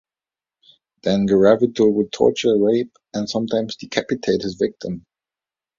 Then, Garavito would torture, rape, and sometimes decapitate his victim.